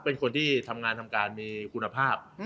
เป็นคนที่ทำงานทำการมีคุณภาพ